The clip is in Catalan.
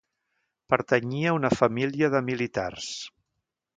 Pertanyia a una família de militars.